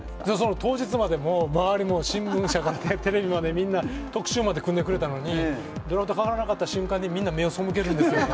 当日まで周りも、新聞社からテレビまでみんな特集まで組んでくれたのに、ドラフトかからなかった瞬間に、みんな目をそむけるんですよ。